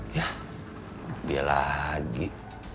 yah dia lagi